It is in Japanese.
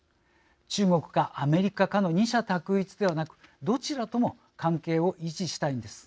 中国かアメリカかの二者択一ではなく、どちらとも関係を維持したいんです。